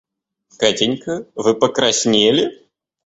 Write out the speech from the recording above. Катенька вы покраснели?